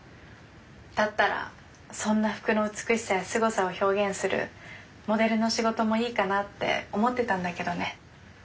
だったらそんな服の美しさやすごさを表現するモデルの仕事もいいかなって思ってたんだけどね。